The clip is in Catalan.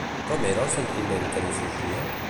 Com era el sentiment que li sorgia?